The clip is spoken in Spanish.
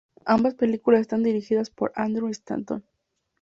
Ambas películas están dirigidas por Andrew Stanton.